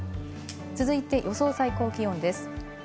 続いて予想最高気温です。